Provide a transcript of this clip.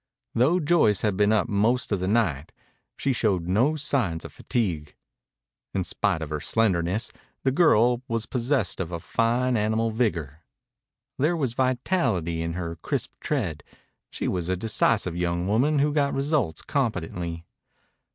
Though Joyce had been up most of the night, she showed no signs of fatigue. In spite of her slenderness, the girl was possessed of a fine animal vigor. There was vitality in her crisp tread. She was a decisive young woman who got results competently.